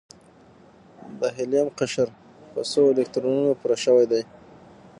د هیلیم قشر په څو الکترونونو پوره شوی دی؟